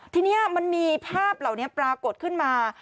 ทีนี้มันมีภาพเหล่านี้ปรากฏขึ้นมา